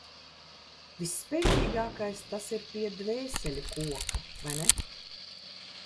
Visspēcīgākais tas ir pie Dvēseļu koka, vai ne?